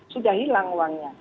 sudah hilang uangnya